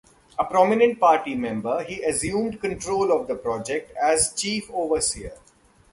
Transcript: A prominent Party member, he assumed control of the project as chief overseer.